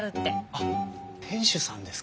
あっ店主さんですか。